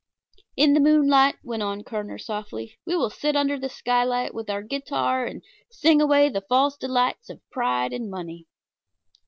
"In the moonlight," went on Kerner, softly, "we will sit under the skylight with our guitar and sing away the false delights of pride and money."